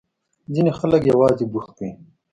ځينې خلک يوازې بوخت وي.